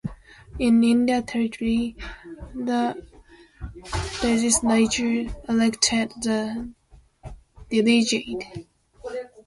In Indiana Territory, the legislature elected the delegate.